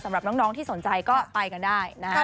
สำหรับน้องที่สนใจก็ไปกันได้นะฮะ